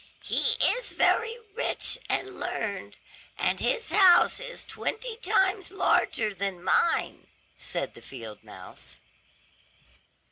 "He is very rich and learned, and his house is twenty times larger than mine," said the field mouse.